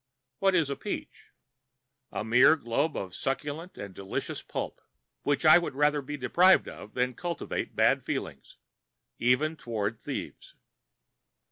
What is a peach? A mere globe of succulent and delicious pulp, which I would rather be deprived of than cultivate bad feelings, even toward thieves.